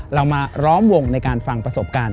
เรามาล้อมวงในการฟังประสบการณ์